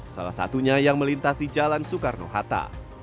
salah satunya yang melintasi jalan soekarno hatta